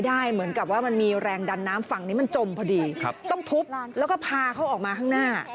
ดันน้ำฝั่งนี้มันจมพอดีต้องทุบแล้วก็พาเขาออกมาข้างหน้า